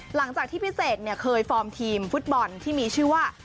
หลังจากที่พิเศษเคยฟอร์มทีมฟุตบอลที่มีชื่อว่า